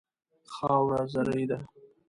خاوره زرعي ده.